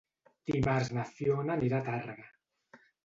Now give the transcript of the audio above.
Dimarts na Fiona anirà a Tàrrega.